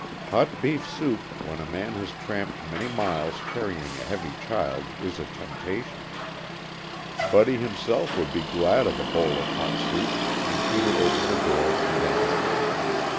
Hot beef soup, when a man has tramped many miles carrying a heavy child, is a temptation. Buddy himself would be glad of a bowl of hot soup, and Peter opened the door and entered.